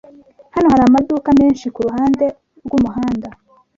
Hano hari amaduka menshi kuruhande rwumuhanda